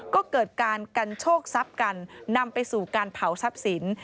ก็เกิดการกันโชคทรัพย์กันนำไปสู่การเผาทรัพย์สิน